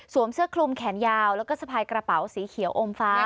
เสื้อคลุมแขนยาวแล้วก็สะพายกระเป๋าสีเขียวอมฟ้า